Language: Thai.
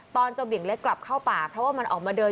ตอนเจ้าเบี่ยงเล็กกลับเข้าป่าเพราะว่ามันออกมาเดิน